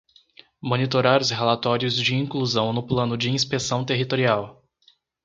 Monitorar os relatórios de inclusão no Plano de Inspeção Territorial.